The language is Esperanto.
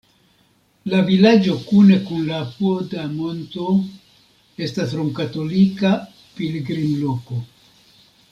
La vilaĝo kune kun la apuda monto estas romkatolika pilgrimloko.